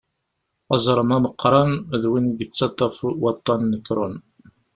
Aẓrem ameqṛan d win deg yettaṭṭaf waṭan n Krhon.